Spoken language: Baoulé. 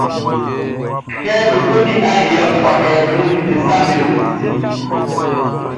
Kɛ be ko di aliɛʼn, ɔ fata kɛ be wunnzin be saʼm be nun.